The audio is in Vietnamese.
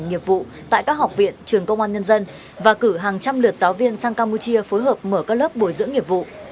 nghiệp vụ tại các học viện trường công an nhân dân và cử hàng trăm lượt giáo viên sang campuchia phối hợp mở các lớp bồi dưỡng nghiệp vụ